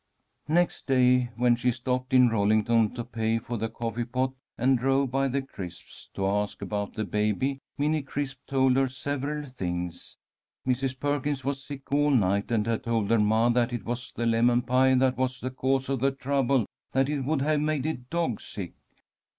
Next day when she stopped in Rollington to pay for the coffee pot, and drove by the Crisps' to ask about the baby, Minnie Crisp told her several things. Mrs. Perkins was sick all night, and had told her ma that it was the lemon pie that was the cause of the trouble; that it would have made a dog sick.